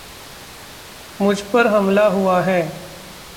मुझ पर हमला हुआ है।